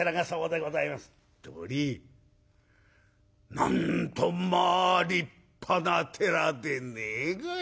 なんとまあ立派な寺でねえがい。